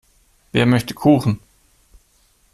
Wer möchte Kuchen?